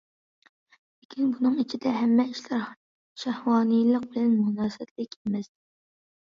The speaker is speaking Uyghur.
لېكىن بۇنىڭ ئىچىدە ھەممە ئىشلار شەھۋانىيلىق بىلەن مۇناسىۋەتلىك ئەمەس.